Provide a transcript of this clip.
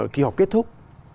khi họp kết thúc